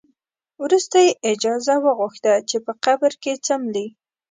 وروسته یې اجازه وغوښته چې په قبر کې څملي.